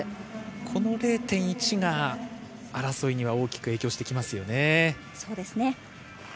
この０．１が争いに大きく影響してきますね。